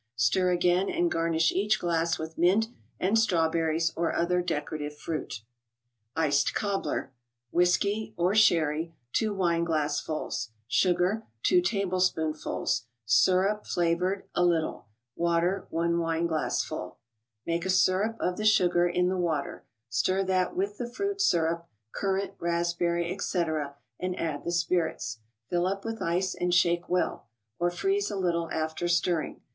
Stir again and garnish each glass with mint and strawberries, or other decorative fruit. 9Jcc£> Cobbler. Whiskey (or Sherry), Sugar, Syrup (flavored), Water, 2 wineglassfuls; 2 tablespoonfuls; a little; 1 winegiassful. Make a syrup of the sugar in the water; stir that with the fruit syrup (currant, raspberry, etc.), and add the spirits. Fill up with ice and shake well; or freeze a little after stirring.